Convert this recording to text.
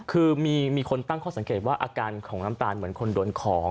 คือมีคนตั้งข้อสังเกตว่าอาการของน้ำตาลเหมือนคนโดนของ